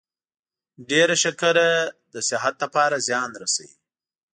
ډیر شکر د صحت لپاره زیان رسوي.